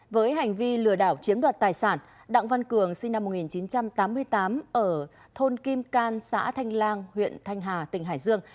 với hành vi lừa đảo chiếm đoạt tài sản đặng văn cường sinh năm một nghìn chín trăm tám mươi tám ở thôn kim can xã thanh lang huyện thanh hà tỉnh hải dương